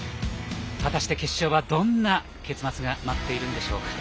果たして決勝はどんな結末が待っているか。